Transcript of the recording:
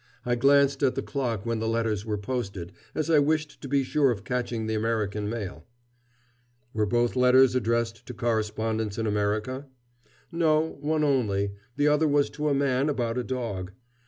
I glanced at the clock when the letters were posted, as I wished to be sure of catching the American mail." "Were both letters addressed to correspondents in America?" "No, one only. The other was to a man about a dog."